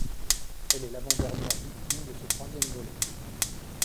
Elle est l'avant dernière victime de ce troisième volet.